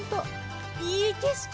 いい景色！